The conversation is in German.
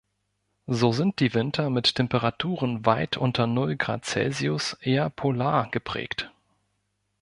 So sind die Winter mit Temperaturen weit unter null Grad Celsius eher polar geprägt.